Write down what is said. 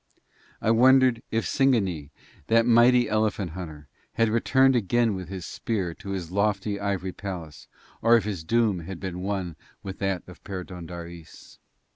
I wondered if Singanee, that mighty elephant hunter, had returned again with his spear to his lofty ivory palace or if his doom had been one with that of Perdóndaris.